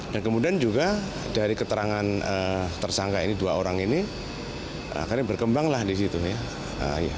dan kemudian juga dari keterangan tersangka ini dua orang ini akhirnya berkembanglah di situ ya